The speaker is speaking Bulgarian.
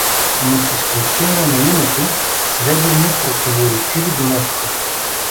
Но с изключение на името, сведения противоречиви донесоха.